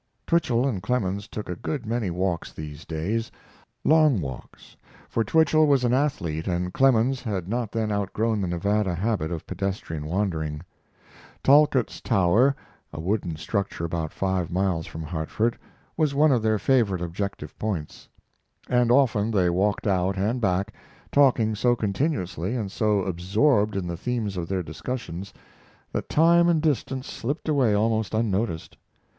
Twichell and Clemens took a good many walks these days; long walks, for Twichell was an athlete and Clemens had not then outgrown the Nevada habit of pedestrian wandering. Talcott's Tower, a wooden structure about five miles from Hartford, was one of their favorite objective points; and often they walked out and back, talking so continuously, and so absorbed in the themes of their discussions, that time and distance slipped away almost unnoticed.